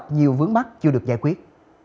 nhiều vướng bắt chưa được giải quyết